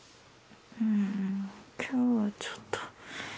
ん今日はちょっと。